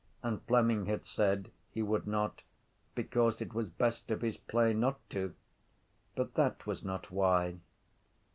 And Fleming had said he would not because it was best of his play not to. But that was not why.